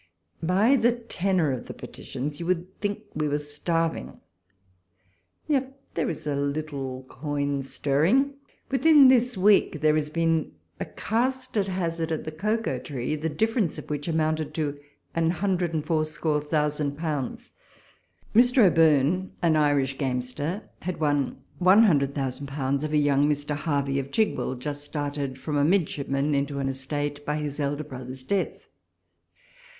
By the tenor of the petitions you would think we were starving ; yet there is a little coin stir ring. Within this week there has been a cast at hazard at the Cocoa tree, the difference of which amounted to an hundred and four score thou sand pounds. Mr. O'Birne, an Irish gamester, had won one hundred thousand pounds of a young Mr. Harvey of Chigwell, just started from a midshipman into an estate by his elder brother's death.